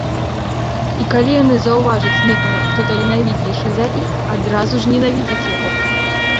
І калі яны заўважаць некага, хто таленавіцейшы за іх, адразу ж ненавідзяць яго!